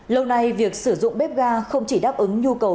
lâu nay việc sử dụng bếp ga không chỉ đáp ứng nhu cầu đun nấu hàng ngày